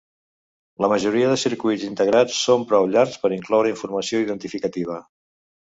La majoria de circuits integrats són prou llargs per incloure informació identificativa.